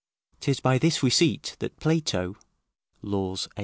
'Tis by this receipt that Plato [Laws, viii.